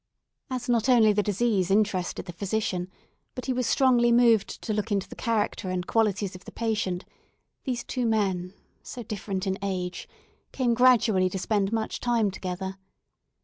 As not only the disease interested the physician, but he was strongly moved to look into the character and qualities of the patient, these two men, so different in age, came gradually to spend much time together.